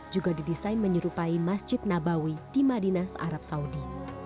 juga didesain menyerupai masjid nabawi di madinah arab saudi